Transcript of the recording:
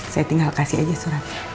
saya tinggal kasih aja surat